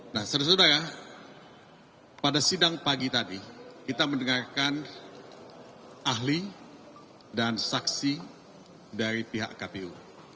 nah saudara saudara pada sidang pagi tadi kita mendengarkan ahli dan saksi dari pihak kpu